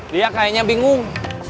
dia kayaknya bingung